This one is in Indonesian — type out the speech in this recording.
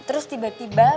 nah terus tiba tiba